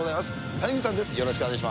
谷口さんです。